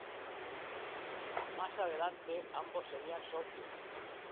Más adelante ambos serían socios.